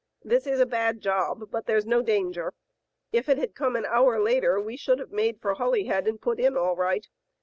This is a bad job, but there *s no danger. If it had come an hour later we should have made for Holyhead and put in all right.